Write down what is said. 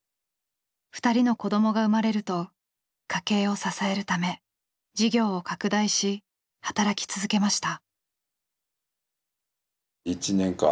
２人の子どもが生まれると家計を支えるため事業を拡大し働き続けました。